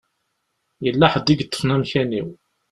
Yella ḥedd i yeṭṭfen amkan-iw.